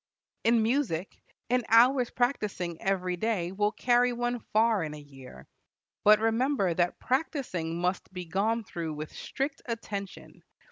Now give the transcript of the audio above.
In music, an hour's practising every day will carry one far in a year. But remember that practising must be gone through with strict attention.